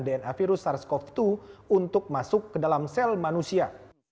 dna virus sars cov dua untuk masuk ke dalam sel manusia